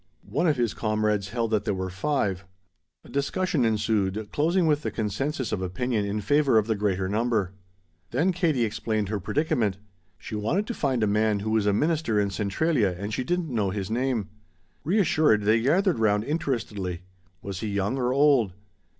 One of his comrades held that there were five. A discussion ensued closing with the consensus of opinion in favor of the greater number. Then Katie explained her predicament; she wanted to find a man who was a minister in Centralia and she didn't know his name. Reassured, they gathered round interestedly. Was he young or old?